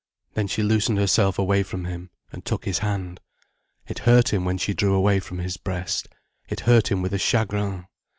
Then she loosened herself away from him and took his hand. It hurt him when she drew away from his breast. It hurt him with a chagrin.